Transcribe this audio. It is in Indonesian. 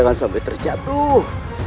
ketika kandung terjatuh